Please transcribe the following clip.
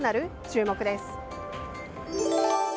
注目です。